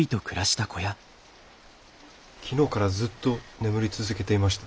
昨日からずっと眠り続けていました。